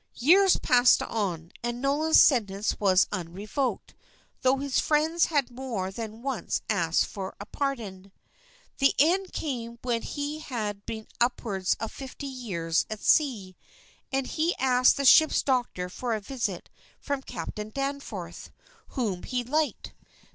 Years passed on, and Nolan's sentence was unrevoked, though his friends had more than once asked for a pardon. The end came when he had been upwards of fifty years at sea, and he asked the ship's doctor for a visit from Captain Danforth, whom he liked.